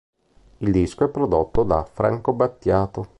Il disco è prodotto da Franco Battiato.